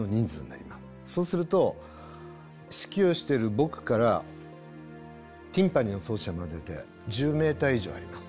そうすると指揮をしている僕からティンパニーの奏者までで１０メーター以上あります。